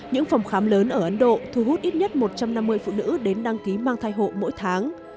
những phòng khám lớn ở ấn độ thu hút ít nhất một trăm năm mươi phụ nữ đến đăng ký mang thai hộ mỗi tháng